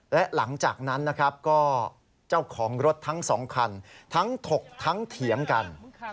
และหลังจากนั้นนะครับก็เจ้าของรถทั้งสองคันทั้งถกทั้งเถียงกัน